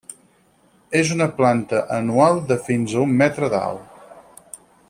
És una planta anual de fins a un metre d'alt.